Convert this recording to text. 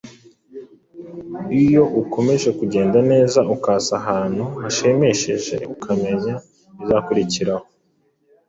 Iyo ukomeje kugenda neza ukaza ahantu hashimishije ukamenya ibizakurikiraho,